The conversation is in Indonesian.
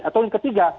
atau yang ketiga